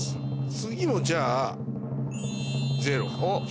次もじゃあゼロ。